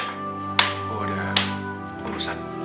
aku ada urusan